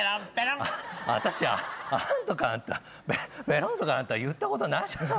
私あーんとかペロンとか言ったことないじゃない。